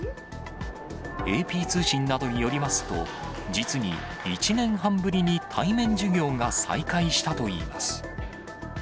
ＡＰ通信などによりますと、実に、１年半ぶりに対面授業が再開したといいます。